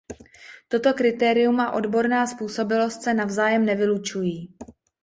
Toto kritérium a odborná způsobilost se navzájem nevylučují.